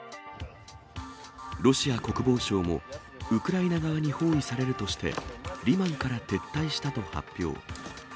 ロシア国防省も、ウクライナ側に包囲されるとして、リマンから撤退したと発表。